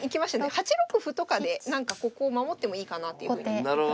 ８六歩とかで何かここを守ってもいいかなっていうふうに思いましたけど。